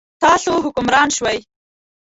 تاسې حکمران شوئ.